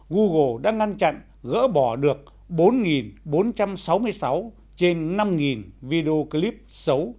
google đã ngăn chặn gỡ bỏ được bốn bốn trăm sáu mươi sáu trên năm video clip xấu